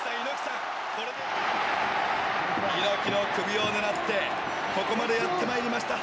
猪木の首を狙ってここまでやってまいりました